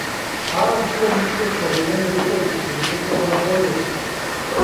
Ha habido mitos que rodean el uso del procedimiento del apoyo.